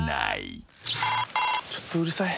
ちょっとうるさい。